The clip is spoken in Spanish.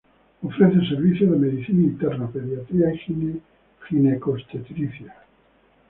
Ofrece servicios de Medicina Interna, Pediatría y Gineco-Obstetricia.